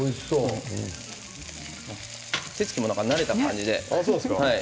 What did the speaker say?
手つきも慣れた感じで。